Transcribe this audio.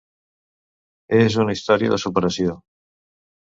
És una història de superació.